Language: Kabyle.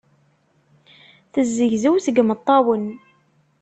Tezzegzew seg yimeṭṭawen.